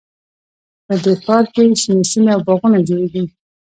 په دې ښار کې شنې سیمې او باغونه جوړیږي